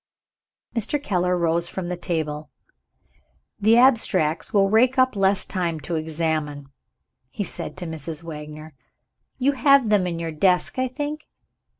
Mr. Keller rose from the table. "The Abstracts will rake up less time to examine," he said to Mrs. Wagner; "you have them in your desk, I think?"